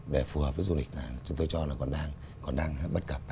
để phù hợp với du lịch là chúng tôi cho là còn đang bất cập